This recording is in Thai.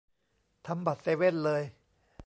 ทำบัตรเซเว่นเลย